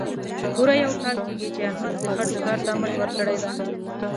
پوره یو کال کېږي، چې احمد د خټو کار ته مټ ورکړې ده.